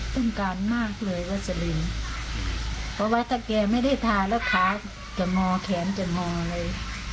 ต้องการมากเลยวัสลินเพราะว่าถ้าแกไม่ได้ทาแล้วขาจะงอแขนจะงออะไร